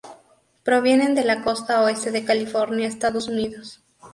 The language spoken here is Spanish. Provienen de la Costa Oeste de California, Estados Unidos.